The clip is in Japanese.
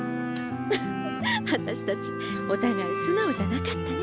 フフッ私たちおたがいすなおじゃなかったね。